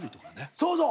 そうそう。